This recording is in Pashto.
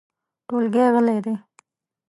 ټولګی غلی دی .